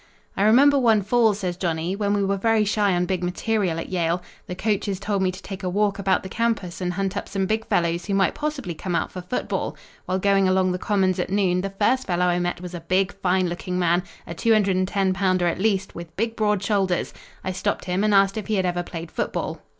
"I remember one fall," says Johnny, "when we were very shy on big material at Yale. The coaches told me to take a walk about the campus and hunt up some big fellows who might possibly come out for football. While going along the Commons at noon, the first fellow I met was a big, fine looking man, a 210 pounder at least, with big, broad shoulders. I stopped him and asked if he had ever played football.